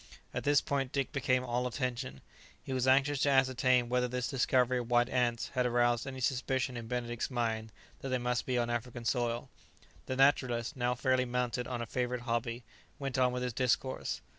At this point Dick became all attention; he was anxious to ascertain whether this discovery of white ants had aroused any suspicion in Benedict's mind that they must be on African soil. The naturalist, now fairly mounted on a favourite hobby, went on with his discourse.